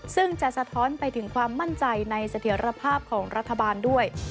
ซึ่งจะสะท้อนไปถึงความมั่นใจในเสถียรภาพของรัฐบาลด้วย